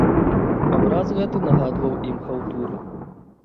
Абраз гэты нагадваў ім хаўтуры.